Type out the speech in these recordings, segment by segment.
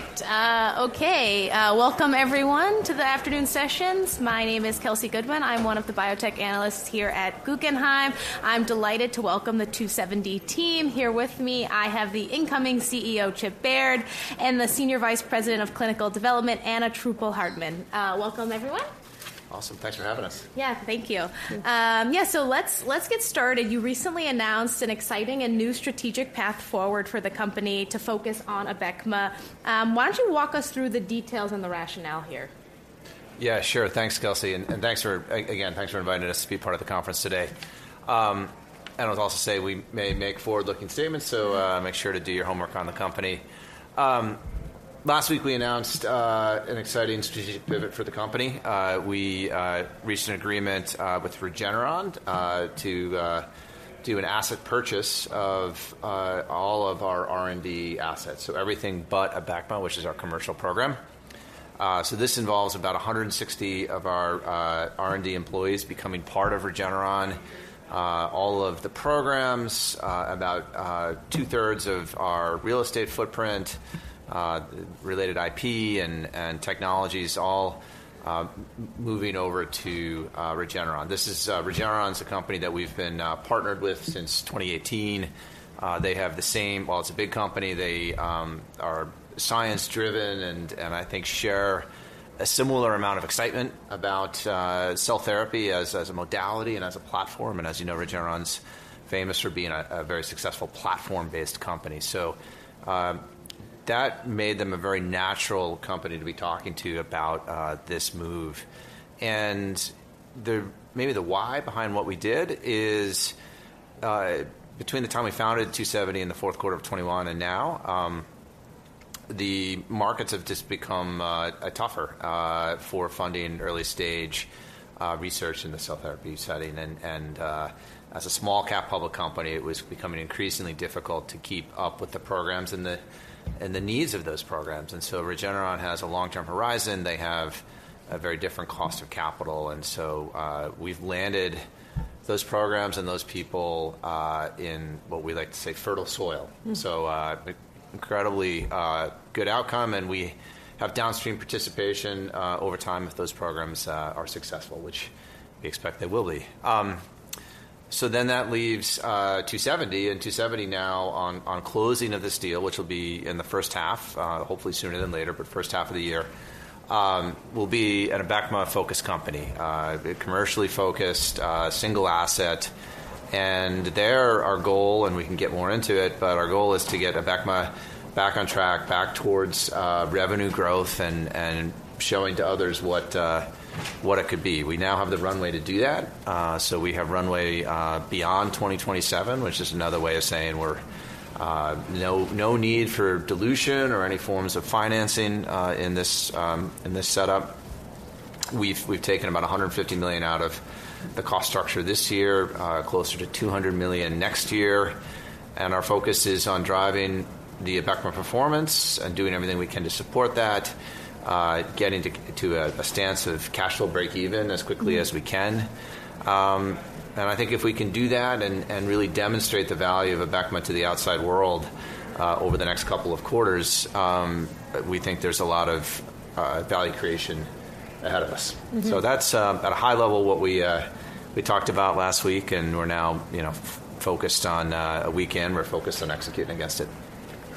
Perfect. Okay, welcome everyone to the afternoon sessions. My name is Kelsey Goodwin. I'm one of the biotech analysts here at Guggenheim. I'm delighted to welcome the 2seventy team. Here with me, I have the incoming CEO, Chip Baird, and the Senior Vice President of Clinical Development, Anna Truppel-Hartmann. Welcome everyone. Awesome. Thanks for having us. Yeah, thank you. Yeah, so let's, let's get started. You recently announced an exciting and new strategic path forward for the company to focus on Abecma. Why don't you walk us through the details and the rationale here? Yeah, sure. Thanks, Kelsey. And thanks for inviting us to be part of the conference today. And I would also say we may make forward-looking statements, so make sure to do your homework on the company. Last week we announced an exciting strategic pivot for the company. We reached an agreement with Regeneron to do an asset purchase of all of our R&D assets, so everything but Abecma, which is our commercial program. So this involves about 160 of our R&D employees becoming part of Regeneron. All of the programs, about two-thirds of our real estate footprint, related IP and technologies, all moving over to Regeneron. This is Regeneron is a company that we've been partnered with since 2018. They have the same while it's a big company, they are science-driven and I think share a similar amount of excitement about cell therapy as a modality and as a platform. And as you know, Regeneron's famous for being a very successful platform-based company. So, that made them a very natural company to be talking to about this move. And the maybe the why behind what we did is, between the time we founded 2seventy in the fourth quarter of 2021 and now, the markets have just become a tougher for funding early-stage research in the cell therapy setting. And as a small-cap public company, it was becoming increasingly difficult to keep up with the programs and the needs of those programs. And so Regeneron has a long-term horizon. They have a very different cost of capital. And so, we've landed those programs and those people, in what we like to say fertile soil. Mm-hmm. So, an incredibly good outcome. And we have downstream participation over time if those programs are successful, which we expect they will be. So then that leaves 2seventy. And 2seventy now, on closing of this deal, which will be in the first half, hopefully sooner than later, but first half of the year, will be an Abecma-focused company, commercially focused, single asset. And there our goal and we can get more into it, but our goal is to get Abecma back on track, back towards revenue growth and showing to others what it could be. We now have the runway to do that. So we have runway beyond 2027, which is another way of saying we're no need for dilution or any forms of financing in this setup. We've taken about $150 million out of the cost structure this year, closer to $200 million next year. Our focus is on driving the Abecma performance and doing everything we can to support that, getting to a stance of cash flow break-even as quickly as we can. And I think if we can do that and really demonstrate the value of Abecma to the outside world, over the next couple of quarters, we think there's a lot of value creation ahead of us. Mm-hmm. So that's, at a high level, what we talked about last week. We're now, you know, focused on executing against it.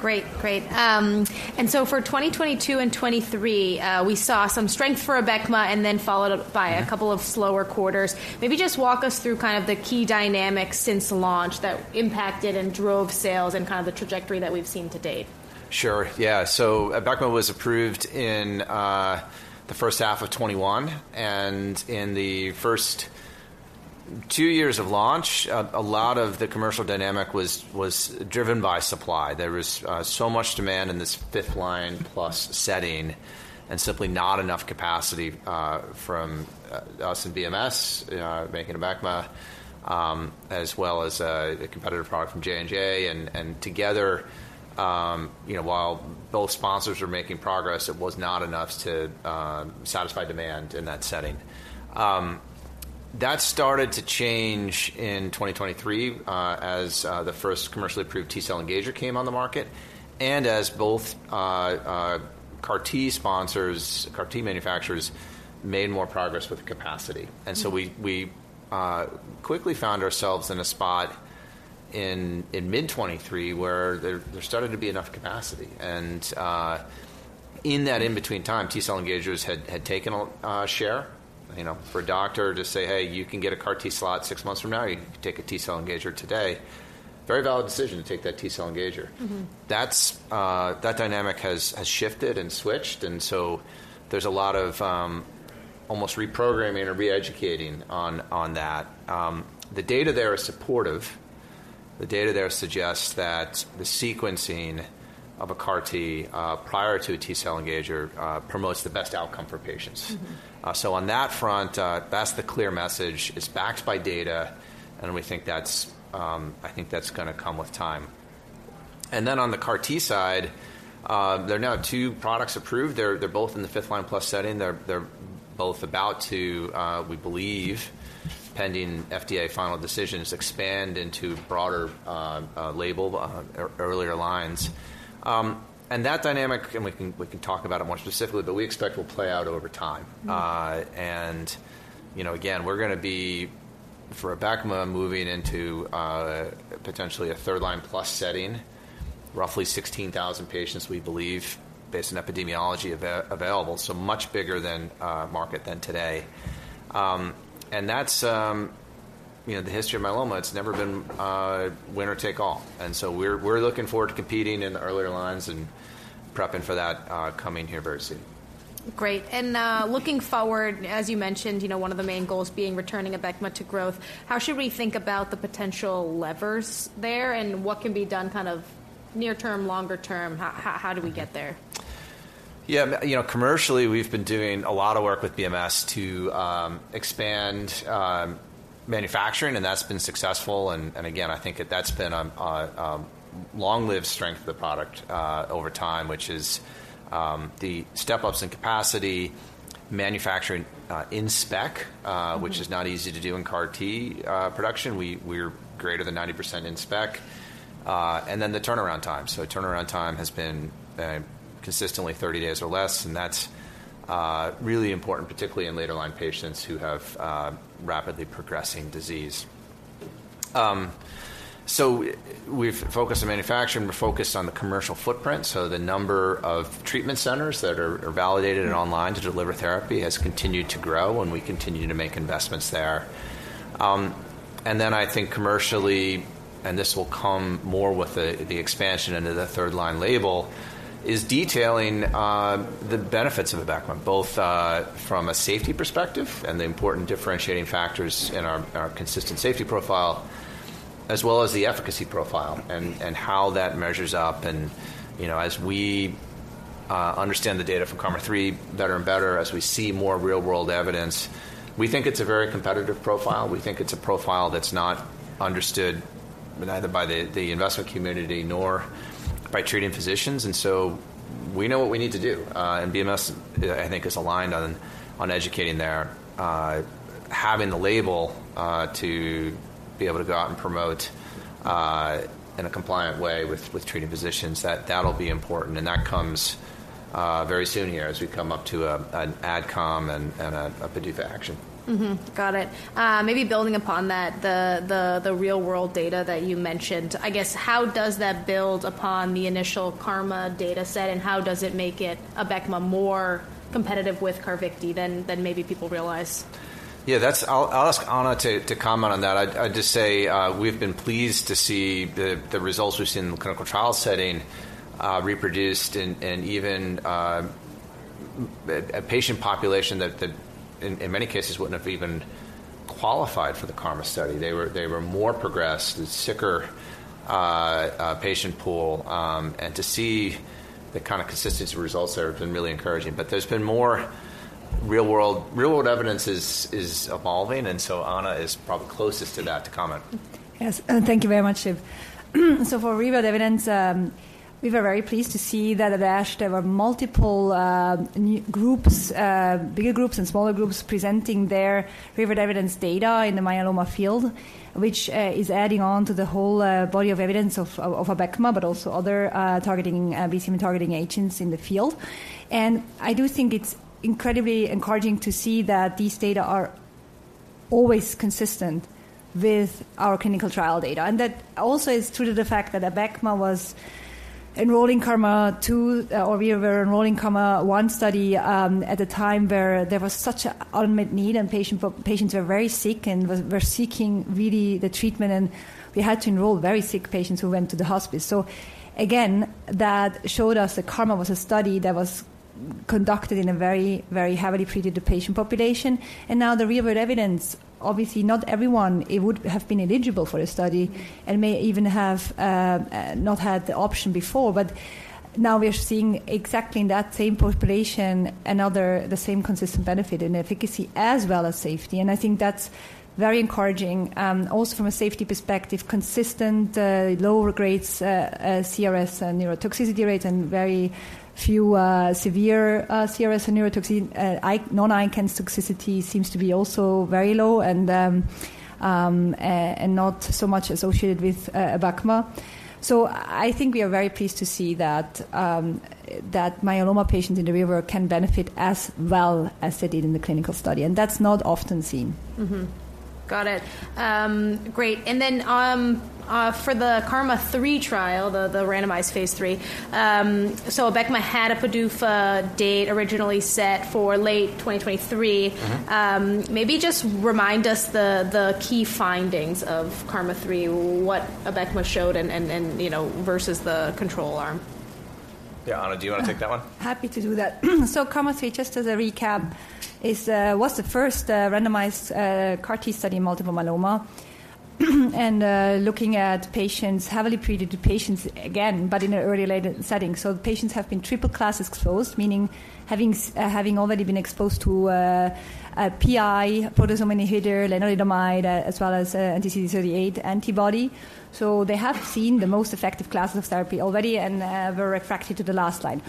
Great, great. And so for 2022 and 2023, we saw some strength for Abecma and then followed up by a couple of slower quarters. Maybe just walk us through kind of the key dynamics since launch that impacted and drove sales and kind of the trajectory that we've seen to date. Sure. Yeah. So Abecma was approved in the first half of 2021. And in the first two years of launch, a lot of the commercial dynamic was driven by supply. There was so much demand in this fifth-line-plus setting and simply not enough capacity from us in BMS making Abecma, as well as a competitor product from J&J. And together, you know, while both sponsors were making progress, it was not enough to satisfy demand in that setting. That started to change in 2023, as the first commercially approved T-cell engager came on the market and as both CAR-T sponsors, CAR-T manufacturers made more progress with capacity. And so we quickly found ourselves in a spot in mid-2023 where there started to be enough capacity. And in that in-between time, T-cell engagers had taken a share. You know, for a doctor to say, "Hey, you can get a CAR-T slot six months from now. You can take a T-cell engager today," very valid decision to take that T-cell engager. Mm-hmm. That dynamic has shifted and switched. So there's a lot of almost reprogramming or re-educating on that. The data there is supportive. The data there suggests that the sequencing of a CAR-T, prior to a T-cell engager, promotes the best outcome for patients. Mm-hmm. So on that front, that's the clear message. It's backed by data. We think that's, I think that's gonna come with time. Then on the CAR-T side, there are now two products approved. They're, they're both in the fifth-line-plus setting. They're, they're both about to, we believe, pending FDA final decisions, expand into broader label, earlier lines. And that dynamic, and we can, we can talk about it more specifically, but we expect it will play out over time. Mm-hmm. and, you know, again, we're gonna be for Abecma moving into, potentially a third-line-plus setting, roughly 16,000 patients, we believe, based on epidemiology available, so much bigger than, market than today. and that's, you know, the history of myeloma. It's never been, winner-take-all. And so we're, we're looking forward to competing in the earlier lines and prepping for that, coming here very soon. Great. And, looking forward, as you mentioned, you know, one of the main goals being returning Abecma to growth. How should we think about the potential levers there? And what can be done kind of near-term, longer term? How do we get there? Yeah. You know, commercially, we've been doing a lot of work with BMS to expand manufacturing. And that's been successful. And again, I think that that's been a long-lived strength of the product over time, which is the step-ups in capacity, manufacturing, in spec, which is not easy to do in CAR-T production. We're greater than 90% in spec and then the turnaround time. So turnaround time has been consistently 30 days or less. And that's really important, particularly in later-line patients who have rapidly progressing disease. So we've focused on manufacturing. We're focused on the commercial footprint. So the number of treatment centers that are validated and online to deliver therapy has continued to grow. And we continue to make investments there. And then I think commercially, and this will come more with the expansion into the third-line label, is detailing the benefits of Abecma, both from a safety perspective and the important differentiating factors in our consistent safety profile, as well as the efficacy profile and how that measures up. And, you know, as we understand the data from KarMMa-3 better and better, as we see more real-world evidence, we think it's a very competitive profile. We think it's a profile that's not understood neither by the investment community nor by treating physicians. And so we know what we need to do. And BMS, I think, is aligned on educating there. Having the label to be able to go out and promote in a compliant way with treating physicians, that'll be important. That comes very soon here as we come up to an AdCom and a PDUFA action. Mm-hmm. Got it. Maybe building upon that, the real-world data that you mentioned, I guess, how does that build upon the initial KarMMa-3 dataset? And how does it make it Abecma more competitive with Carvykti than maybe people realize? Yeah. That's, I'll ask Anna to comment on that. I'd just say, we've been pleased to see the results we've seen in the clinical trial setting, reproduced in even a patient population that in many cases wouldn't have even qualified for the KarMMa-3 study. They were more progressed, the sicker patient pool, and to see the kind of consistency of results there has been really encouraging. But there's been more real-world evidence is evolving. And so Anna is probably closest to that to comment. Yes. Thank you very much, Chip. So for real-world evidence, we were very pleased to see that at ASH there were multiple, new groups, bigger groups and smaller groups presenting their real-world evidence data in the myeloma field, which is adding on to the whole body of evidence of Abecma, but also other targeting BCMA targeting agents in the field. And I do think it's incredibly encouraging to see that these data are always consistent with our clinical trial data. And that also is true to the fact that Abecma was enrolling KarMMa-3 or we were enrolling KarMMa-3 one study, at a time where there was such an unmet need and patients were very sick and were seeking really the treatment. And we had to enroll very sick patients who went to the hospice. So again, that showed us that KarMMa-3 was a study that was conducted in a very, very heavily treated patient population. And now the real-world evidence, obviously, not everyone would have been eligible for the study and may even not have had the option before. But now we are seeing exactly in that same population and the same consistent benefit in efficacy as well as safety. And I think that's very encouraging. Also from a safety perspective, consistent, lower-grade CRS and neurotoxicity rates and very few severe CRS and neurotoxicity; non-ICANS toxicity seems to be also very low and not so much associated with Abecma. So I think we are very pleased to see that myeloma patients in the real world can benefit as well as they did in the clinical study. And that's not often seen. Mm-hmm. Got it. Great. And then, for the KarMMa-3 trial, the randomized phase 3, so Abecma had a PDUFA date originally set for late 2023. Mm-hmm. Maybe just remind us the key findings of KarMMa-3, what Abecma showed and, you know, versus the control arm. Yeah. Anna, do you wanna take that one? Happy to do that. So KarMMa-3, just as a recap, is, was the first, randomized, CAR-T study in multiple myeloma. And, looking at patients, heavily treated patients again, but in an early-late setting. So the patients have been triple-class exposed, meaning having, having already been exposed to, PI, proteasome inhibitor, lenalidomide, as well as, anti-CD38 antibody. So they have seen the most effective classes of therapy already and, were refractory to the last line.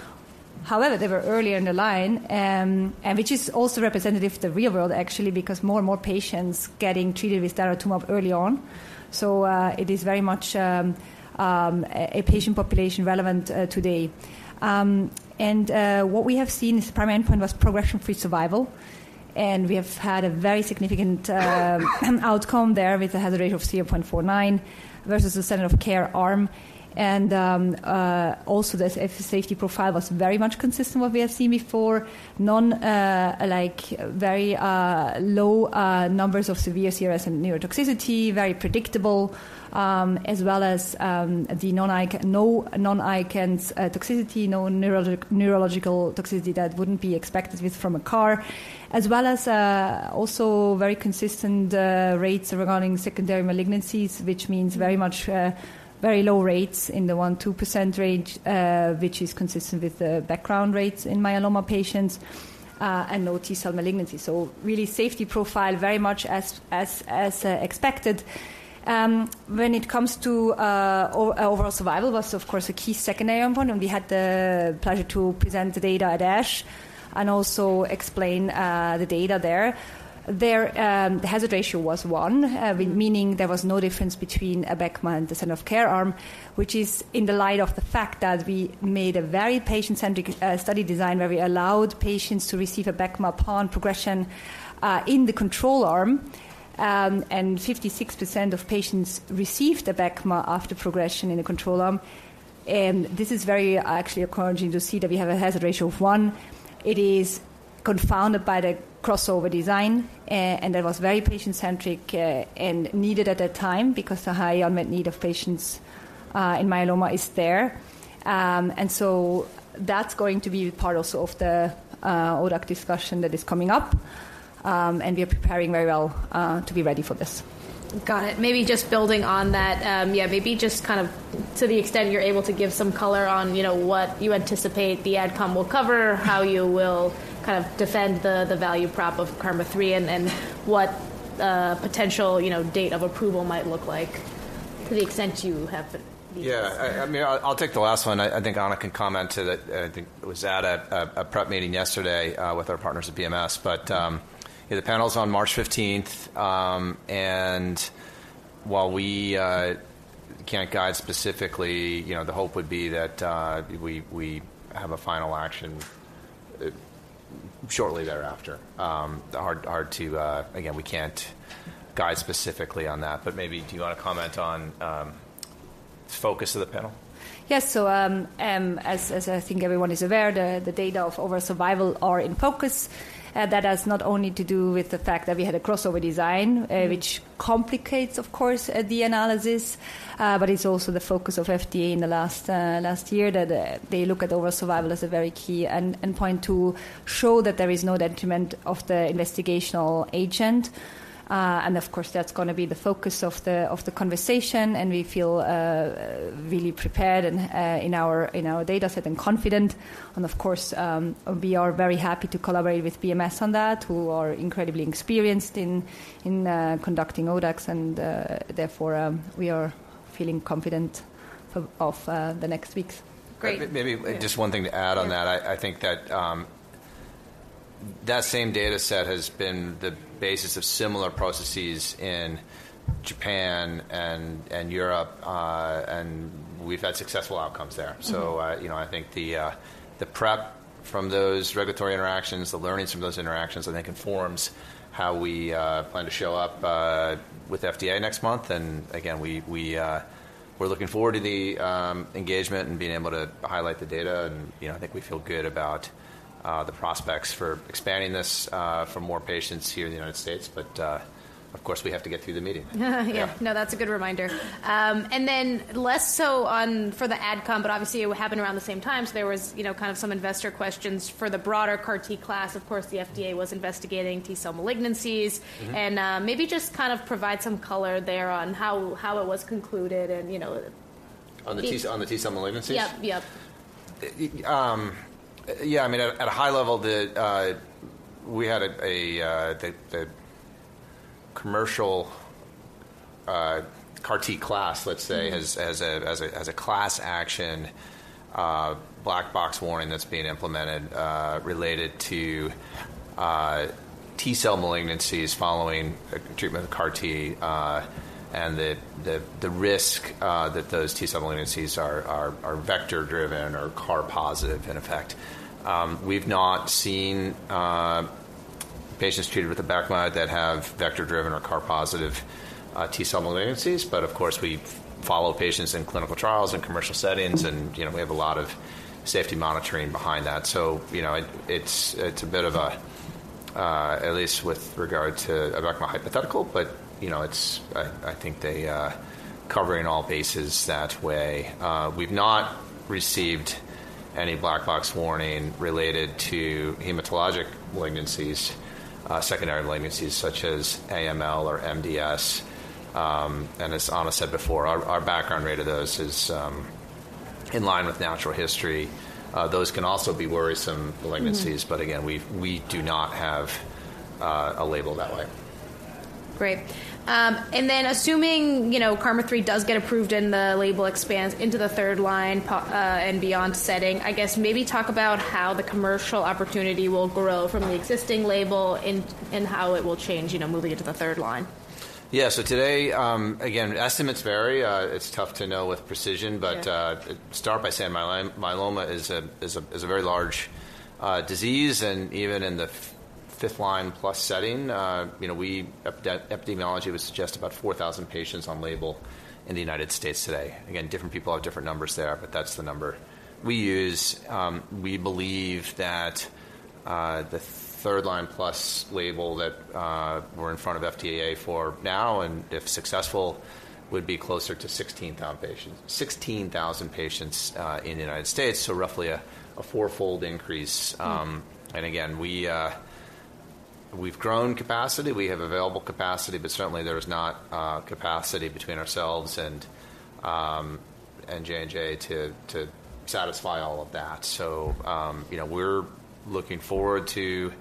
However, they were earlier in the line, and which is also representative of the real world, actually, because more and more patients getting treated with daratumumab early on. So, it is very much, a patient population relevant, today. And, what we have seen is the primary endpoint was progression-free survival. And we have had a very significant, outcome there with a hazard ratio of 0.49 versus the standard of care arm. Also the safety profile was very much consistent with what we have seen before, no, like, very low numbers of severe CRS and neurotoxicity, very predictable, as well as the non-ICANS toxicity, no neurological toxicity that wouldn't be expected from a CAR, as well as also very consistent rates regarding secondary malignancies, which means very much very low rates in the 1%-2% range, which is consistent with the background rates in myeloma patients, and no T-cell malignancy. So really safety profile very much as expected. When it comes to overall survival was, of course, a key secondary endpoint. And we had the pleasure to present the data at ASH and also explain the data there. There, the hazard ratio was 1, meaning there was no difference between Abecma and the standard of care arm, which is in the light of the fact that we made a very patient-centric study design where we allowed patients to receive Abecma upon progression in the control arm. 56% of patients received Abecma after progression in the control arm. This is very actually encouraging to see that we have a hazard ratio of 1. It is confounded by the crossover design, and that was very patient-centric and needed at that time because the high unmet need of patients in myeloma is there. So that's going to be part also of the ODAC discussion that is coming up. We are preparing very well to be ready for this. Got it. Maybe just building on that, yeah, maybe just kind of to the extent you're able to give some color on, you know, what you anticipate the AdCom will cover, how you will kind of defend the, the value prop of KarMMa-3 and, and what, potential, you know, date of approval might look like to the extent you have these. Yeah. I mean, I'll take the last one. I think Anna can comment to that. I think it was at a prep meeting yesterday, with our partners at BMS. But yeah, the panel's on March 15th. And while we can't guide specifically, you know, the hope would be that we have a final action shortly thereafter. Hard to, again, we can't guide specifically on that. But maybe do you wanna comment on the focus of the panel? Yes. So, as I think everyone is aware, the data of overall survival are in focus. That has not only to do with the fact that we had a crossover design, which complicates, of course, the analysis, but it's also the focus of FDA in the last year that they look at overall survival as a very key and point to show that there is no detriment of the investigational agent. And of course, that's gonna be the focus of the conversation. We feel really prepared and in our dataset and confident. And of course, we are very happy to collaborate with BMS on that, who are incredibly experienced in conducting ODACs. Therefore, we are feeling confident for the next weeks. Great. Maybe just one thing to add on that. I think that same dataset has been the basis of similar processes in Japan and Europe. And we've had successful outcomes there. So, you know, I think the prep from those regulatory interactions, the learnings from those interactions, I think informs how we plan to show up with FDA next month. And again, we're looking forward to the engagement and being able to highlight the data. And, you know, I think we feel good about the prospects for expanding this for more patients here in the United States. But, of course, we have to get through the meeting. Yeah. No, that's a good reminder. And then less so on for the AdCom, but obviously, it happened around the same time. So there was, you know, kind of some investor questions. For the broader CAR-T class, of course, the FDA was investigating T-cell malignancies. And, maybe just kind of provide some color there on how it was concluded and, you know. On the T-cell malignancies? Yep. Yep. Yeah. I mean, at a high level, the commercial CAR-T class, let's say, has, as a class, a black box warning that's being implemented, related to T-cell malignancies following treatment with CAR-T, and the risk that those T-cell malignancies are vector-driven or CAR-positive, in effect. We've not seen patients treated with Abecma that have vector-driven or CAR-positive T-cell malignancies. But of course, we follow patients in clinical trials and commercial settings. You know, we have a lot of safety monitoring behind that. So, you know, it's a bit of a, at least with regard to Abecma, hypothetical, but, you know, it's, I think they cover all bases that way. We've not received any black box warning related to hematologic malignancies, secondary malignancies such as AML or MDS. As Anna said before, our background rate of those is in line with natural history. Those can also be worrisome malignancies. But again, we do not have a label that way. Great. Then assuming, you know, KarMMa-3 does get approved and the label expands into the third line, and beyond setting, I guess maybe talk about how the commercial opportunity will grow from the existing label in how it will change, you know, moving into the third line. Yeah. So today, again, estimates vary. It's tough to know with precision. But start by saying myeloma is a very large disease. And even in the fifth-line-plus setting, you know, our epidemiology would suggest about 4,000 patients on label in the United States today. Again, different people have different numbers there, but that's the number we use. We believe that the third-line-plus label that we're in front of FDA for now and if successful would be closer to 16,000 patients in the United States. So roughly a fourfold increase. And again, we've grown capacity. We have available capacity. But certainly, there's not capacity between ourselves and J&J to satisfy all of that. So, you know, we're looking forward to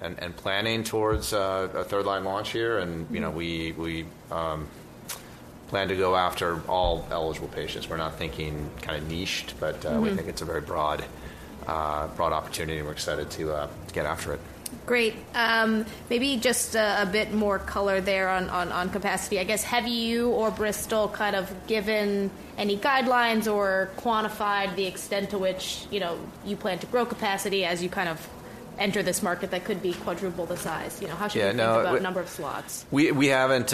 and planning towards a third-line launch here. And, you know, we plan to go after all eligible patients. We're not thinking kind of niched, but we think it's a very broad, broad opportunity. And we're excited to, to get after it. Great. Maybe just a bit more color there on capacity. I guess have you or Bristol kind of given any guidelines or quantified the extent to which, you know, you plan to grow capacity as you kind of enter this market that could be quadruple the size? You know, how should you think about number of slots? Yeah. No, we haven't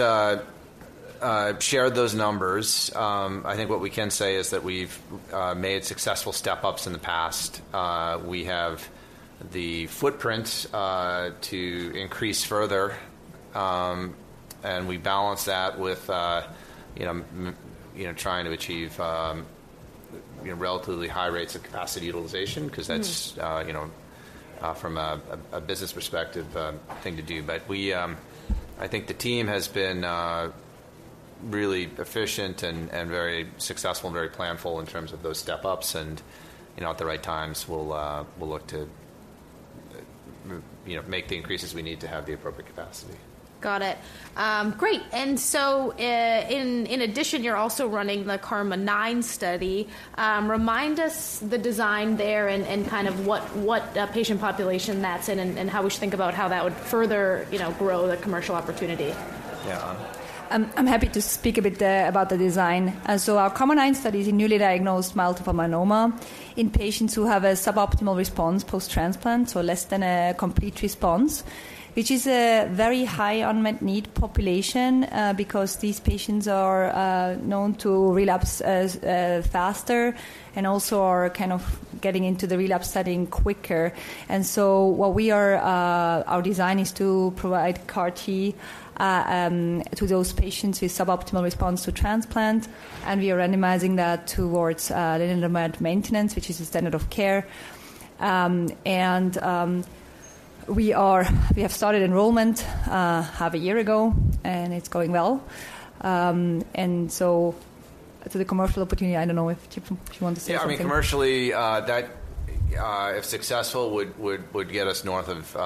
shared those numbers. I think what we can say is that we've made successful step-ups in the past. We have the footprint to increase further. And we balance that with you know trying to achieve you know relatively high rates of capacity utilization 'cause that's you know from a business perspective thing to do. But I think the team has been really efficient and very successful and very planful in terms of those step-ups. And you know at the right times we'll look to you know make the increases we need to have the appropriate capacity. Got it. Great. And so, in addition, you're also running the KarMMa-9 study. Remind us the design there and kind of what patient population that's in and how we should think about how that would further, you know, grow the commercial opportunity. Yeah. Anna. I'm happy to speak a bit there about the design. So our KarMMa-9 study is a newly diagnosed multiple myeloma in patients who have a suboptimal response post-transplant, so less than a complete response, which is a very high unmet need population, because these patients are known to relapse faster and also are kind of getting into the relapse setting quicker. And so what we are, our design is to provide CAR-T to those patients with suboptimal response to transplant. And we are randomizing that towards lenalidomide maintenance, which is the standard of care. And we have started enrollment half a year ago, and it's going well. And so to the commercial opportunity, I don't know if you if you want to say something about that. Yeah. I mean, commercially, that, if successful, would get us north of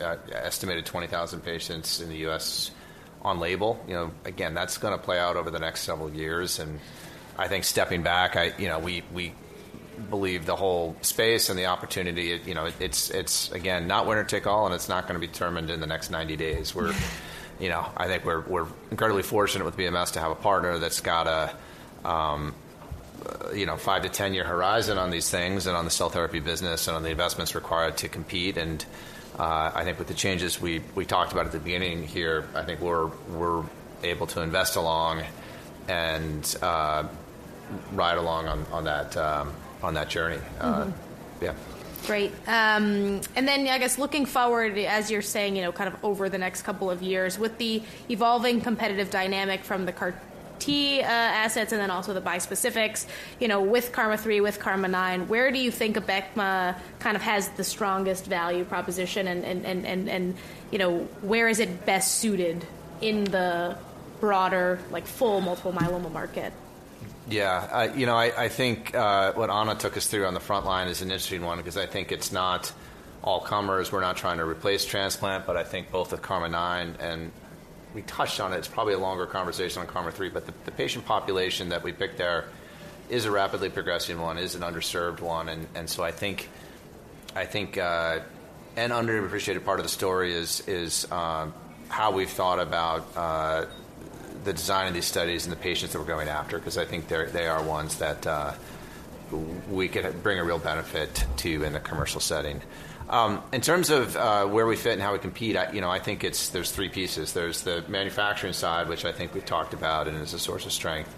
estimated 20,000 patients in the US on label. You know, again, that's gonna play out over the next several years. And I think, stepping back, you know, we believe the whole space and the opportunity, you know, it's again not winner-take-all. And it's not gonna be determined in the next 90 days. We're, you know, I think we're incredibly fortunate with BMS to have a partner that's got a, you know, 5-10-year horizon on these things and on the cell therapy business and on the investments required to compete. And I think with the changes we talked about at the beginning here, I think we're able to invest along and ride along on that journey. Yeah. Great. And then I guess looking forward, as you're saying, you know, kind of over the next couple of years with the evolving competitive dynamic from the CAR-T assets and then also the bispecifics, you know, with KarMMa-3, with KarMMa-9, where do you think Abecma kind of has the strongest value proposition? And, you know, where is it best suited in the broader, like, full multiple myeloma market? Yeah. You know, I, I think what Anna took us through on the front line is an interesting one 'cause I think it's not all-comers. We're not trying to replace transplant. But I think both with KarMMa-9 and we touched on it. It's probably a longer conversation on KarMMa-3. But the, the patient population that we picked there is a rapidly progressing one, is an underserved one. And, and so I think I think, an underappreciated part of the story is, is, how we've thought about the design of these studies and the patients that we're going after 'cause I think they're they are ones that we could bring a real benefit to in the commercial setting. In terms of where we fit and how we compete, I, you know, I think it's there's three pieces. There's the manufacturing side, which I think we've talked about and is a source of strength.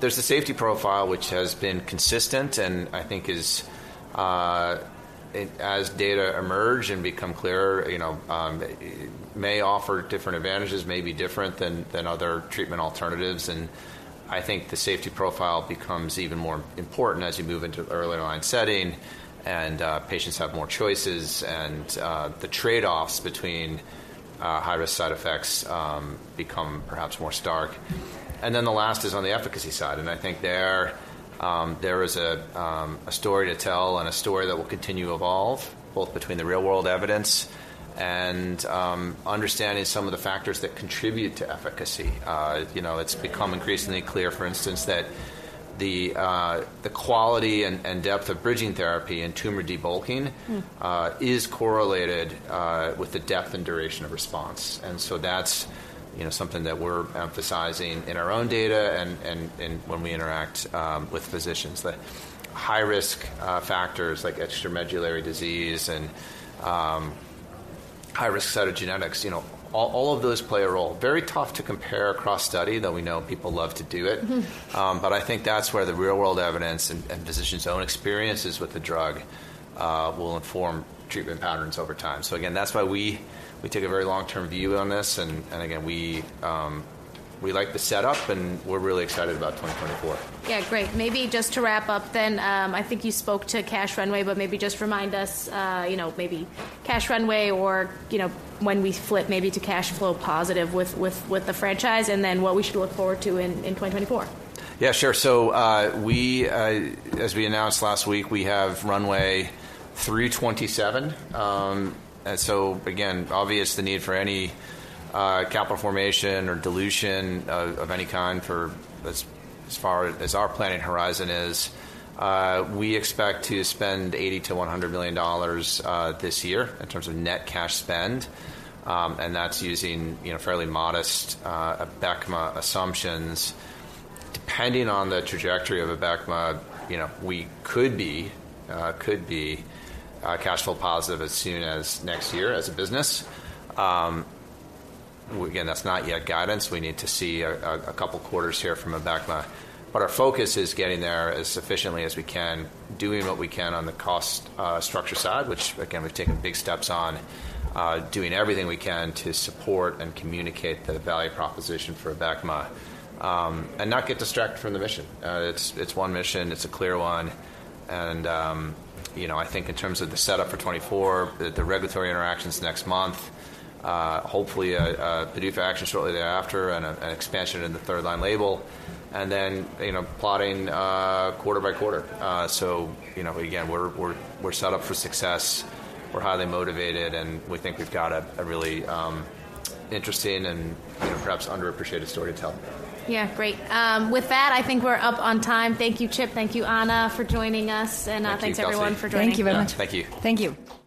There's the safety profile, which has been consistent and I think is, as data emerge and become clearer, you know, may offer different advantages, may be different than, than other treatment alternatives. And I think the safety profile becomes even more important as you move into the earlier line setting. And, patients have more choices. And, the trade-offs between, high-risk side effects, become perhaps more stark. And then the last is on the efficacy side. And I think there, there is a, a story to tell and a story that will continue to evolve both between the real-world evidence and, understanding some of the factors that contribute to efficacy. You know, it's become increasingly clear, for instance, that the quality and depth of bridging therapy and tumor debulking is correlated with the depth and duration of response. And so that's, you know, something that we're emphasizing in our own data and when we interact with physicians. The high-risk factors like extramedullary disease and high-risk cytogenetics, you know, all of those play a role. Very tough to compare across study, though we know people love to do it. But I think that's where the real-world evidence and physicians' own experiences with the drug will inform treatment patterns over time. So again, that's why we take a very long-term view on this. And again, we like the setup. And we're really excited about 2024. Yeah. Great. Maybe just to wrap up then, I think you spoke to cash runway. But maybe just remind us, you know, maybe cash runway or, you know, when we flip maybe to cash flow positive with the franchise and then what we should look forward to in 2024. Yeah. Sure. So, as we announced last week, we have runway through 2027. And so again, obviously, the need for any capital formation or dilution of any kind, for as far as our planning horizon is, we expect to spend $80 million-$100 million this year in terms of net cash spend. And that's using, you know, fairly modest Abecma assumptions. Depending on the trajectory of Abecma, you know, we could be cash flow positive as soon as next year as a business. Again, that's not yet guidance. We need to see a couple quarters here from Abecma. But our focus is getting there as sufficiently as we can, doing what we can on the cost, structure side, which, again, we've taken big steps on, doing everything we can to support and communicate the value proposition for Abecma, and not get distracted from the mission. It's one mission. It's a clear one. You know, I think in terms of the setup for 2024, the regulatory interactions next month, hopefully, a PDUFA action shortly thereafter and an expansion in the third-line label. Then, you know, plotting, quarter by quarter. You know, again, we're set up for success. We're highly motivated. And we think we've got a really, interesting and, you know, perhaps underappreciated story to tell. Yeah. Great. With that, I think we're up on time. Thank you, Chip. Thank you, Anna, for joining us. And, thanks everyone for joining us. Thank you very much. Thank you. Thank you.